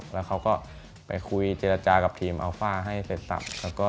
แล้วเขาก็ไปคุยเจรจากับทีมอัลฟ่าให้เสร็จสับ